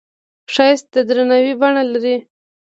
ښایست د درناوي بڼه لري